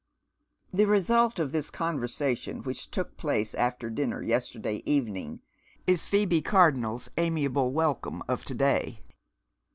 The result of this conversation, which took place after dinner yesterday evening, is Phoebe Cardonnel's amiable welcome of to day.